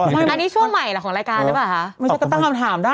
อันนี้ช่วงใหม่เหรอของรายการได้ป่ะค่ะค่ะไม่เชิญกับตั้งคำถามได้